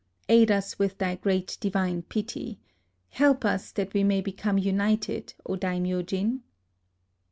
Aid us with thy great divine pity !— help us that we may be come united, O Daimyojin